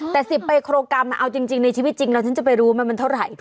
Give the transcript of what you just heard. แต่๑๐ไมโครกรัมเอาจริงในชีวิตจริงแล้วฉันจะไปรู้มันเท่าไหร่